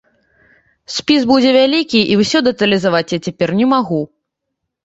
Спіс будзе вялікі, і ўсё дэталізаваць я цяпер не магу.